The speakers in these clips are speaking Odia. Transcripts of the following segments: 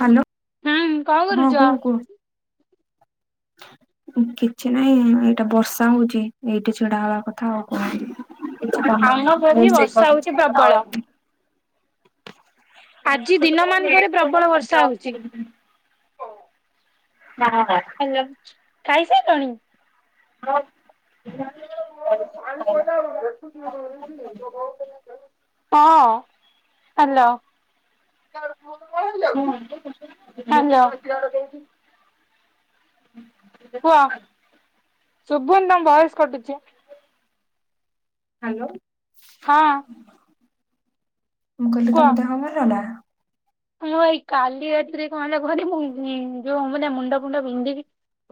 ହାଲୋ ହୁଁ କଣ କରୁଛ? କିଛି ନହିଁ ଏଇଟା ବର୍ଷା ହଉଛି ଏଇଠି ଛିଡା ହବା କଥା ଆଉ କଣ? ଏ କ ଆମ ପଢି ସେଇ ବର୍ଷା କର ହଉଛି ଆ ପ୍ରବଳ। ଆଜି ଦିନ ମାନଙ୍କରେ ପ୍ରବଳ ବର୍ଷା ହଉଛି। [unintelligible] [unintelligible] ହାଲୋ ଖାଇସାରିଲଣି? ହଁ [unintelligible] ହଁ ହାଲୋ ହାଲୋ କୁହ ଶୁଭୁନି ତମ ଭୟସ କଟୁଛି। ହାଲୋ ହଁ ଅଁ ମୁଁ କହିଲି ତମ ଦେହ ଭଲ ହେଲା? ହଁ ଏଇ କାଲି ରାତିରେ କଣ ହେଲା କୁହନି ମୁଁ ଯୋଉ ହବ ମୁଣ୍ଡ ମୁଣ୍ଡ ବିନ୍ଧି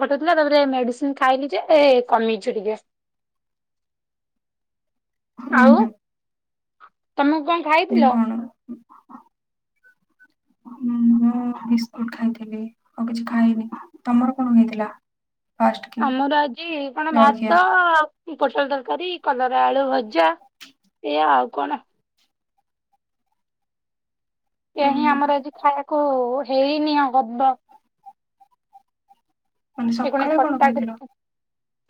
ଫଟଉଥିଲା, ତାପରେ ମେଡିସିନ ଖାଇଲି ଯେ କମେଇଛି ଟିକେ। [inaudible] ଆଉ ହୁଁ ତମକୁ କଣ? ଖାଇଥିଲ? [unintelligible] ହଁ ମୁଁ ବିସ୍କୁଟ ଖାଇଥିଲି ଆଉ କିଛି ଖାଇନି, ତମର କଣ ହେଇଥିଲା? ଫାଷ୍ଟ କି ଆମର ଆଜି କଣ ଜଳଖିଆ? ଭାତ ପୋଟଳ ତରକାରୀ, କଲରା ଆଳୁ ଭଜା, ଏଇଆ ଆଉ କଣ? ଏହିିଁ ଉଁ ଆମର ଆଜି ଖାଇବାକୁ ହେଇନି ହବ। ମାନେ ସକାଳେ କଣ ଖାଇଥିଲ? [unintelligible]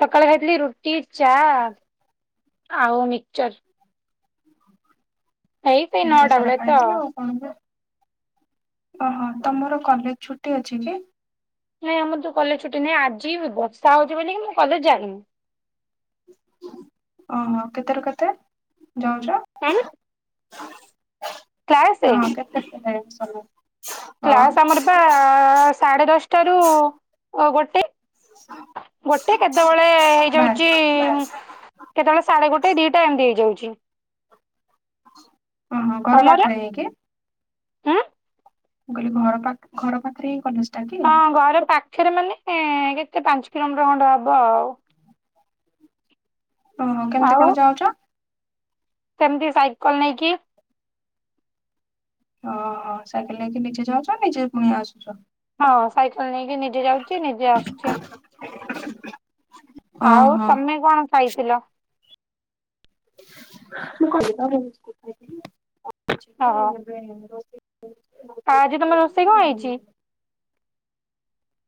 ସକାଳେ ଖାଇଥିଲି ରୁଟି ଚା ଆଉ ମିକଚର ଏଇସେଇ ଏତେ ନଟା ସାରା ବଳେ ତ [unintelligible] ଓହୋ ତମର କଲେଜ ଛୁଟି ଅଛି କି? ନାଇଁ ଆମର ତ କଲେଜ ଛୁଟି ନାହିଁ, ଆଜି ବି ବର୍ଷା ହଉଛି ବୋଲି କି ମୁଁ କଲେଜ ଯାଇନି। ଓହୋ କେତେ ରୁ କେତେ ଯାଉଛ? [unintelligible] କ୍ଲାସେ [unintelligible] ହଁ କ୍ଲାସ୍ ଆମର ବା ସାଢ଼େ ଦଶଟାରୁ ଗୋଟେ। ଗୋଟେ କେତେବେଳେ ବାଏ ହେଇଯାଉଛି କେତେବେଳେ ସାଢ଼େ ଗୋଟେ ଦିଟା ଏମତିହେଇଯାଉଛି। ଓହୋ ଘର ତମର ପାଖରେ ହେଇକି ଉଁ ମୁଁ କହିଲି ଘର ଘର ପାଖରେ ହିଁ କଲେଜ ଟା କି? ହଁ ଘର ପାଖରେ ମାନେ କେତେ ପାଞ୍ଚ କିଲୋମିଟର ଖଣ୍ଡ ହବ ଆଉ ଓହୋ, କେମିତି ଆଉ କଣ ଯାଉଛ? ସେମିତି ସାଇକଲ ନେଇକି। ଓହୋ, ସାଇକେଲ ନେଇକି ନିଜେ ଯାଉଛ, ନିଜେ ପୁଣି ଆସୁଛ। ହଁ ସାଇକେଲ ନେଇକି ନିଜେ ଯାଉଛି, ନିଜେ ଆସୁଛି ଆଉ ଓହୋ। ତମେ କଣ ଖାଇଥିଲ? ମୁ କହିଲି ଏ ରୋଷେଇ ଆ ଆଜି ତମର ରୋଷେଇ କଣ ହେଇଛି?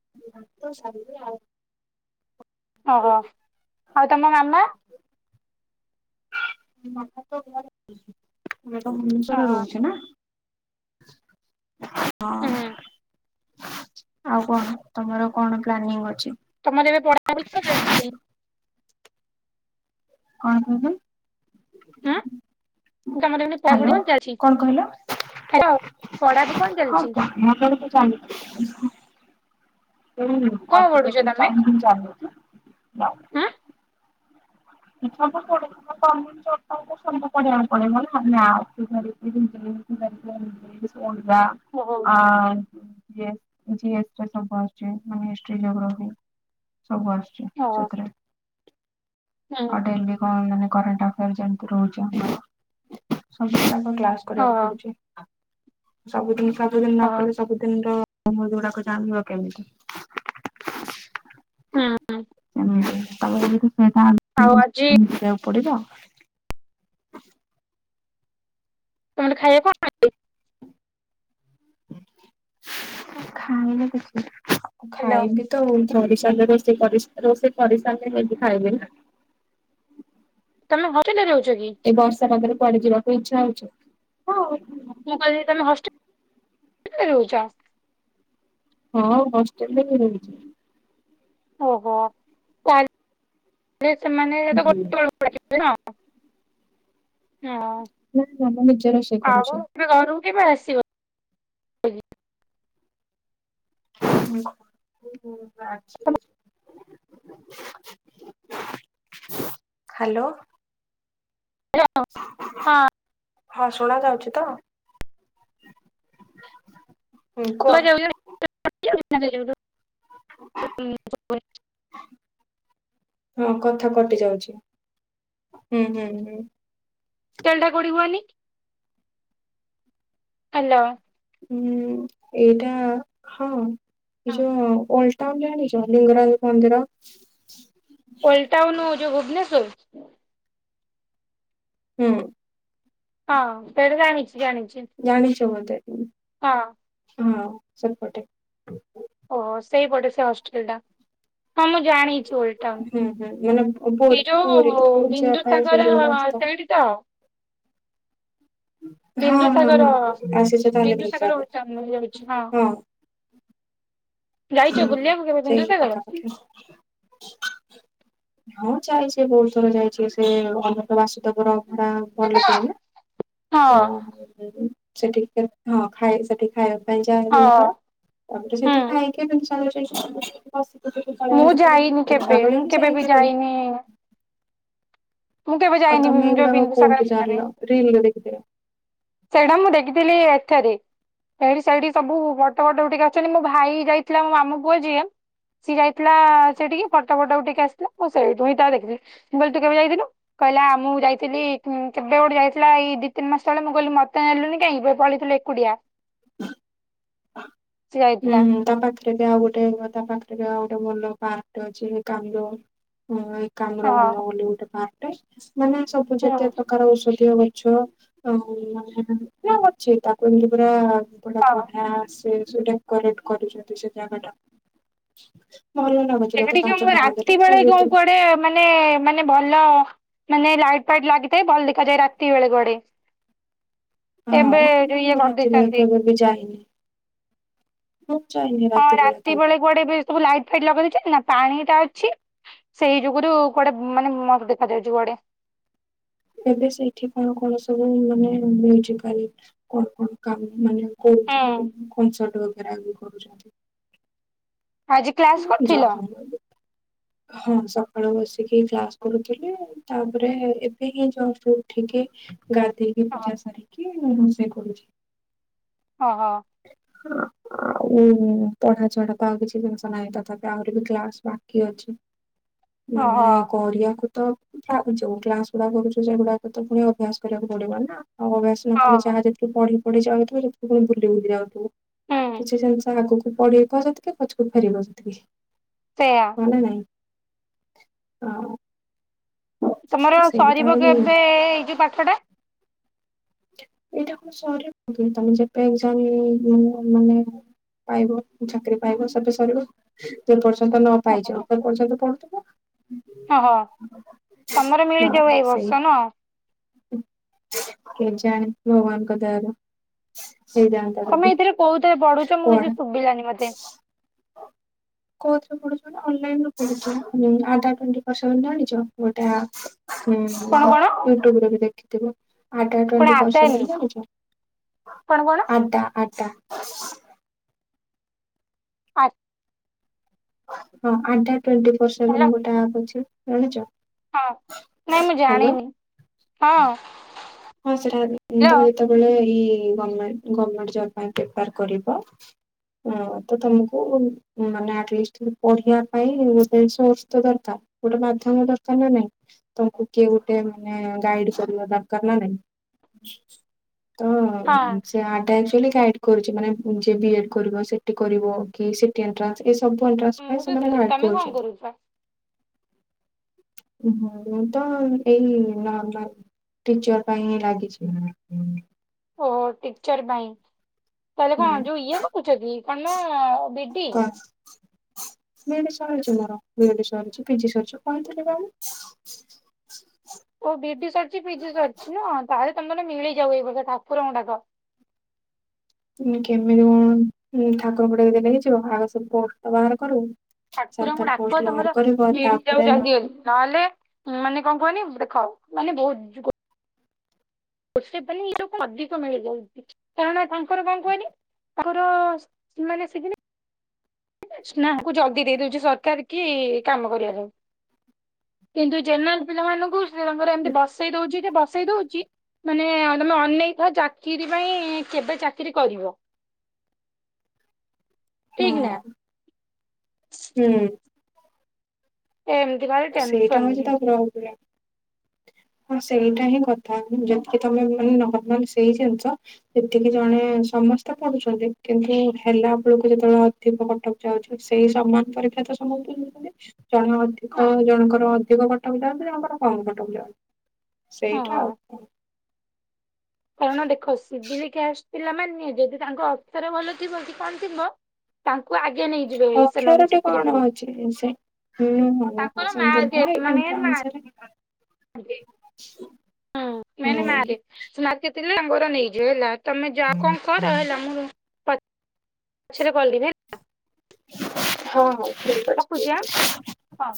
[unintelligible] ଓହୋ! ଆଉ ତୋମ ମାମା? ମାମା ତ ଘରେ। ମୁଁ ତ ଭୁବନେଶ୍ଵରରେ ଓହୋ ରହୁଛି ନା। ହଁ। ହୁଁ ଆଉ କଣ ତୋମର କଣ ପ୍ଲାନିଂ ଅଛି? ତୋମର ଏବେ ପଢାପଢି [unintelligible] ଚାଲିଛି। କଣ କହିଲେ? ଆଁ, ତୋମର ଏବେ ହ୍ୟାଲୋ ପଢ଼ାପଢି କଣ ଚାଲିଛି? କଣ କହିଲ? ହାଲୋ, ପଢ଼ାପଢ଼ି କଣ ଚାଲିଛି? ମୋର ତ ଏବେ [unintelligible] ଚାଲ ଏ ହଁ ଏଇ କଣ ପଢୁଛ କମ୍ପିଟେଟିଭ ତମେ? ପାଇଁ ହିଁ ଚାଲିଚି। [unintelligible] ଉଁ ଏ ସବୁ [unintelligible] ନା [unintelligible] [unintelligible] ଆ, [unintelligible] ଜିଏସ୍ ଓହୋ ରେ ସବୁ ଆସୁଛି ମାନେ ହିଷ୍ଟ୍ରି, ଜୋଗ୍ରାଫି ସବୁ ଆସୁଛି ଓହୋ ସେଥିରେ। ହୁଁ ଆଉ ଡେଲି କଣ ମାନେ କରେଣ୍ଟଆଫିଆର ଯେମିତି ରହୁଛି ଆମର ସବୁ ଯାକ କ୍ଲାସ୍ କରିବାକୁ ଓହୋ ପଡୁଛି ସବୁଦିନ ସବୁଦିନ ନ ଓହୋ କଲେ ସବୁଦିନ ର ତୋମର ଯୋଉଡାକ ଜାଣିବ କେମିତି? ହଁ, ଅଁ, ସେମିତି ତୋମେ ଯେମିତି ଆଉ ଆଜି ସେଟାଲ [inaudible] ପଡିବ। ତୋମର ଖାଇବା କଣ? ମୁଁ ଖାଇନି କିଛି, ହ୍ୟାଲୋ ଖାଇବି ତ ସରି ସାରିଲେ ରୋଷେଇ କରି ରୋଷେଇ କରିସାରିଲେ ଯାଇକି ଖାଇବି ନା। ତୋମେ ହଷ୍ଟେଲ୍ ରେ ରହୁଛ କି? ଏଇ ବର୍ଷା ପାଗରେ କୁଆଡେ ଯିବାକୁ ଇଚ୍ଛା ହଉଛି। ମୁଁ କହିଲି ତୋମେ ହଷ୍ଟେଲ୍ ରେ ରହୁଚ? ହଁ ହଷ୍ଟେଲ୍ ରେ ରହୁଚି। ଓହୋ! ତା ରେ ସେମାନେ ତ ଗୋଟେ ହୁଁ [inaudible] ହଁ ଆଉ କଣ? ନା ନା ମୁଁ ନିଜେ ରୋଷେଇ କରୁଛି। ଯେ ଘରକୁ କେବେ ଆସିବ? କି? [inaudible] ହାଲୋ। ହାଲୋ। ହଁ ଶୁଣା ଯାଉଛି ତ? ହୁଁ କୁହ। ଶୁଭାଯାଉଚୁ [inaudible] କଟି ଯାଉଚୁ ନା ସେଇ ଯୋଗୁରୁ ଶୁଭୁନି ଶୁଭୁନି କିଛି। ହଁ କଥା କଟି ଯାଉଛି। ହୁଁ, ହୁଁ, ହୁଁ। ଟେଲ ଟା କୋଉଠି କୁହନି? ହାଲୋ। ହୁଁ, ଏଇଟା ହଁ ଏ ଯୋ ଓଲ ତାମ ଜାଣିଚ ଲିଙ୍ଗରାଜ ମନ୍ଦିର? ଅଲ ଟାଉନ୍ ଯୋଉ ଭୁବନେଶ୍ଵର? ହୁଁ। ହଁ ସେଇଟା ଜାଣିଛି ଜାଣିଛି। ଜାଣିଛ ବୋଧେ ହଁ ହଁ ସେପଟେ। ଓହୋ! ସେଇପଟେ ସେ ହଷ୍ଟେଲ୍ ଟା। ହଁ ମୁଁ ଜାଣିଛି ଓଲଟାଉନ୍। ହୁଁ ହୁଁ ମାନେ ଏଇ ପୁରୀ ପୁରୀ ଯୋଉ ପୁରୀ ଯିବା ବିନ୍ଦୁ ପାଇଁ ସେ ତାଙ୍କର ଯୋଉ ରାସ୍ତା ସେଇଠି ତ? ହଁ, ହଁ, ବିନ୍ଦୁସାଗର ହଁ ଆସିଛ ତାହାଲେ ବିନ୍ଦୁସାଗର ଓଲ୍ଡ ଟାଉନ ରହିଯାଉଛି ବିନ୍ଦୁସାଗର ହଁ। ଯାଇଛ ହୁଁ ବୁଲିବାକୁ କେବେ ସେଇ ବିନ୍ଦୁସାଗର? କଥା [unintelligible] ହଁ ଚାଇଛି ବହୁତ ଥର ଯାଇଛି ସେ ଅନନ୍ତ ବାସୁଦେବ ର ଅଭଡା ଭଲ ଦିଆ ହୁଏ ହଁ ତ ସେଠିକ ହଁ ଖାଏ ସେଠି ଖାଇବାକୁ [unintelligible] ତାପରେ ହୁଁ ସେଠି ଖାଇକି [unintelligible] କଳେଇ ମୁଁ ଯାଇନି ଆସିଥାଏ କେବେ ମୁଁ [unintelligible] ହି କେବେ ବି ଯାଇକି ଯାଇନି ମୁଁ କେବେ ଆଉ ଯାଇନି ତମେ ଯଉ ଏଗୁଡାକ ବିନ୍ଦୁ କୋଉଠି ସାଗର ପୁଷ୍କରି। ଜାଣିଲ ରିଲରେ ଦେଖିଥିଲ। ସେଇଟା ମୁଁ ଦେଖିଥିଲି ଏଥେରେ ସେଇଠି ସେଇଠି ସବୁ ବଟ ଫଟ ଟିକେ ଅଛନ୍ତି ମୋ ଭାଇ ଯାଇଥିଲା ମୋ ମାମୁ ପୁଅ ଯିଏ ସିଏ ଯାଇଥିଲା ସେଠିକି ଫଟ ଫଟ ଉଠେଇକି ଆସିଥିଲା ମୁଁ ସେହିଁ ଠୁ ତା ଦେଖଥିଲିଁ ବୋଲି ତୁ କେବେ ଯାଇଥିଲୁ? କହିଲା ଆ ମୁଁ ଯାଇଥିଲି କେବେ ଗୋଟେ ଯାଇଥିଲା ଏଇ ଦି ତିନି ମାସ ତଳେ ମୁଁ କହିଲି ମତେ ନେଲୁଣିି କାହିଁ ପଳେଇଥିଲୁ ଓଡ଼ିଆ। ହୁଁ ଯାଇଥିଲା ତମ ପାଖେ ଏବେ ଆଉ ଗୋଟେ ତା ପାଖରେ ବି ଆଉ ଗୋଟେ ଭଲ ପାର୍କ ଅଛି କାନ୍ଦ ଉଁ କାନ୍ଦ୍ରଭନ ହଁ ବୋଲି ଗୋଟେ ପାର୍କଟେ ମାନେ ସବୁ ଯେତେ ପ୍ରକାର ଔଷଧୀୟ ଗଛ ଆଉ ମାନେ ନା ଅଛି ତାକୁ ଏମତି ପରା ହଁ। [unintelligible] ନା ସେ ଯୋଉ ଡେକୋରେଟ୍ କରୁଛନ୍ତି ସେ ଜାଗାଟା ଭଲ ଲାଗୁଛି ସେଟା କେତେ ଟିକେ ପାଞ୍ଚ [unintelligible] ଯେ ଟଙ୍କା ଦେଲେ ରାତି ସେ ବେଳେ ଯୋଉ ଭିତରୁ କୁଆଡେ ମାନେ ମାନେ ମାନେ ଭଲ ମାନେ ଲାଇଟ ଫାଇଟ ଲାଗିଥାଏ ଭଲ ଦେଖାଯାଏ ରାତି ବେଳେ କୁଆଡେ। ଏବେ ହଁ କିନ୍ତୁ ଯଉ ଇଏ ମୁଁ ରାତି ବେଳେ କରିଦେଇଛନ୍ତି। କେବେ ବି ଯାଇନି। ମୁଁ ଚାଇନି। ହଁ ରାତି ବେଳେ କୁଆଡେ ଏବେ ସବୁ ଲାଇଟ୍ ଫାଇଟ୍ ଲଗେଇ ଦେଇଛନ୍ତି ନା ପାଣି ଟା ଅଛି। ସେଇ ଯୁଗୁରୁ କୁଆଡେ ମାନେ ମତ ଦେଖାଯାଉଛି ବଡ଼ିଆ। ଏବେ ସେଇଠି କଣ କଣ ସବୁ ମାନେ ମିଳିଛି ଖାଲି କଣ କଣ କାମ ମାନେ କରୁଛନ୍ତି ହୁଁ କନସର୍ଟର ଉପରେ ଆଗରୁ କରୁଛନ୍ତି। ଆଜି କ୍ଲାସ ଜବ କରିଥିଲ? ହଁ ସକାଳୁ ବସିକି କ୍ଲାସ କରୁଥିଲି ତାପରେ ଏବେ ହିଁ ଜଷ୍ଟ ଉଠିକି ଗାଧେଇକି ହଁ ପୂଜା ସାରିକି ରୋଷେଇ କରୁଛି। ଅହୋ [unintelligible] ଆଉ ପଢା ଛଢା ତ ଆଉ କିଛି ଜିନିଷ ନାହିଁ ତଥାପି ଆହୁରି ବି କ୍ଲାସ ବାକି ଅଛି। ଓହୋ ମାନେ କରିଆକୁ ତ ତାପରେ ଯୋଉ କ୍ଲାସ ଗୁଡା କରୁଛୁ ସେଗୁଡାକ ତ ପୁଣି ଅଭ୍ୟାସ କରିବାକୁ ପଡିବ ନା ଆଉ ଅଭ୍ୟାସ ନ ହଁ କଲେ ଯାହା ଯେତିକି ପଢି ପଢି ଯାଉଥିବ ସେଥିୁ ପୁଣି ବୁଲି ବୁଲି ଯାଉଥିବ। ହୁଁ କିଛି ଜିନିଷ ଆଗକୁ ପଢେଇବ ଯେତିକି ପଛକୁ ଫେରିବ ସେତିକି ସେୟା ହଁ ନା ନାଇଁ ହଁ ତମର ସେଇଟା ସରିବ ହଉଛି କେବେ ଏଇ ଯୋଉ ପାଠ ଟା? ଏଇଟା କଣ ସରିବ ତମେ ଯେବେ [unintelligible] ମାନେ ପାଇବ ଚାକିରି ପାଇବ ସେବେ ସରିବ ଯେ ପର୍ଯ୍ୟନ୍ତ ନ ପାଇଛ ସେ ପର୍ଯ୍ୟନ୍ତ ପଢୁଥିବ। ହଁ ହଁ ତମର ହଁ ମିଳିଯିବ ଏଇ ସେଇ ବର୍ଷ ନ କେଜାଣି ଭଗବାନଙ୍କ ଦୟାରୁ ହେଇଯାନ୍ତା ତମେ ଏଇଥିରେ କହୁଥେ ପଢୁଛ ମୁଁ କିଛି ଶୁଭିଲାନି ମତେ। ହଁ। କୋଉଥିରେୁ ପଢୁଛ ଅନଲାଇନରୁ ପଢୁଛ ଆଡା ଟ୍ବେଣ୍ଟି ସେଭେନ ଜାଣିଛି ଗୋଟେ ଅପ୍। କଣ ହୁଁ କଣ ୟୁଟୁବରେ ବି ଦେଖିଥିବ। ଆଡା କଣ ଟ୍ବେଣ୍ଟି ପର ସେଭେନ ଆଦାନୀ ହେଲେ ହେଇଯିବ କଣ କଣ ଆଡା ଆଡା। ଆ ହଁ ଆଡାଡ୍ ଟ୍ବେଣ୍ଟି ଫୋର୍ ହାଲୋ ସେଭେନ ଗୋଟେ ଆପ୍ ଅଛି ଜାଣିଛ? ହଁ ନାଇଁ ମୁଁ ହ୍ୟାଲୋ ଜାଣିନି ହଁ। ହଁ ସେଟା [unintelligible] ହାଲୋ ଯେତେବେଳେ ଏଇ ଗମେଣ୍ଟ ଗମେଣ୍ଟ ଜବ ପାଇଁ ପ୍ରିପ୍ୟାର କରିବ। ହଁ ତ ତମକୁ। ମାନେ ଆଟଲିଷ୍ଟ ପଢିବା ପାଇଁ ଗୋଟେ ସୋର୍ସ ତ ଦରକାର। ଗୋଟେ ମାଧ୍ୟମ ଦରକାର ନା ନାଇଁ ତମକୁ କିଏ ଗୋଟେ ମାନେ ଗାଇଡ କରିବା ଦରକା କାର ନା ନାଇ ତ ହଁ ଉଁ। ସେ ଆପ ଟା ଆକ୍ଚୁଆଲି ଗାଇଡ କରୁଛି ମାନେ ଯିଏ ବି ଏଡ୍ କରିବ ସିଟି କରିବ କି ସି ଟି ଏଣ୍ଟରାନ୍ସ ଏ ସବୁ ଏଣ୍ଟରାନ୍ସ ପାଇଁ ମୁଁ ତ ସେମାନେ ଶିଖିବି ଗାଇଡ୍ ତମେ କଣ କରୁଛନ୍ତି। କରୁଛ? ଉ ହୁଁ ମୁଁ ତ ଏଇ ନର୍ମାଲ। ଟିଚର ପାଇଁ ହିଁ ଲାଗିଛି। ଓହୋ ଟିଚର୍ ପାଇଁ। ତାହେଲେ ହୁଁ କଣ ଯୋଉ ଇଏ କରୁଛ କି କଣ B D? B E D ସରିଛି ମୋର ବି ଇ ଡି ସରିଛି ପି ଜି ସରିଛି କହିଥିଲି ପା ମୁଁ। ଓ ବି ଡି ସରିଛି ପି ଜି ସରିଛି ନା ତାହେଲେ ତମର ମିଳିଯାଉ ଏଇ ବର୍ଷ ଠାକୁରଙ୍କୁ ଡାକ। ମାନେ କେମିତି କଣ ଇଏ ଠାକୁରଙ୍କୁ ଗୋଟେ ଏଇଲେ ଦେଇଚୁ ଆଗ ସବୁ ପୋଷ୍ଟ ତ ବାହାର କରୁ। ସରକାର ଠାକୁରଙ୍କୁ ପୋଷ୍ଟ ଡାକ ବାହାର ତମର କରିବ ମିଳିଯାଉ ତାପରେ ଜଲ୍ଦୀ ଜଲ୍ଦୀ ନହେଲେ। ମାନେ କଣ କୁହନି ଦେଖ ମାନେ ବହୁତ ଯୁ କୋର୍ସେ ବାଲି ଲୋକ ଙ୍କୁ ଅଧିକ ମିଳିଯାଉଛି କାରଣ ତାଙ୍କର କଣ କୁହନି। ତାଙ୍କର ସ ମାନେ ସିଖିନି ନା ଆକୁ ଜଲଦି ଦେଇ ଦଉଛି ସରକାର କି କାମ କରିବା ସବୁ। କିନ୍ତୁ ଜେନେରାଲ ପିଲାମାନଙ୍କୁ ସେ ତାଙ୍କର ଏମିତି ବସେଇ ଦଉଛି ଯେ ବସେଇ ଦଉଛି। ମାନେ ତମେ ଅନେଇ ଥାଅ ଚାକିରି ପାଇଁ କେବେ ଚାକିରୀ କରିବ। ହଁ ଠିକ ନା। ହୁଁ। ଏମିତି ବା ସେଇଟା ହଉଛି ଠାକୁର ଙ୍କ ଉପରେ। ହଁ ସେଇଟା ହିଁ କଥା ଯେତିକି ତମେ ମାନେ ନରମାଲ ସେଇ ଜିନିଷ। ସେତିକି ଜଣେ ସମସ୍ତେ ପଢୁଛନ୍ତି କିନ୍ତୁ ହେଲା ବେଳକୁ ଯେତେବେଳେ ଅ ଅଧିକ କଟ ଅଫ ଯାଉଛି ସେଇ ସମାନ ପରୀକ୍ଷା ତ ସମସ୍ତେ ଦଉଛନ୍ତି ଜଣେ ଅଧି ଆଉ ଜଣଙ୍କର ଅଧିକ କଟ ଅଫ ଯାଉଚି ଜଣଙ୍କର କମ କଟ ଅଫ ଯାଉଚି ଓହୋ ସେଇଟା ଆଉ କାରଣ ଦେଖ ସିଡିଲିକାଷ୍ଟ ପିଲା ମାନେ ଯଦି ତାଙ୍କ ଅକ୍ଷର ଭଲ ଥିବ କି କଣ ଥିବ। ତାଙ୍କୁ ଆଜ୍ଞା ନେଇଯିବେ ସେମାନେ ଚାକିରି ଦିଏଇ। ହୁଁଁ [unintelligible] ହଁ ସେମିତି ନୁହେଁ ଏଇଟା ମାର୍କ ଏଣ୍ଟରାନ୍ସ ରେ ଦରକାର। ହୁଁ ମାନେ ମାର୍କେ ସେ ମାର୍କେ ଥିଲେ ତାଙ୍କର ନେଇଯିବେ ହେଲା। ତମେ ଯାଅ କଣ କର ହେଲା ମୁଁ ପଛରେ କରିବି ହଁ ହଁ ଠିକ ଅଛି ଠିକ ଅ ହଁ।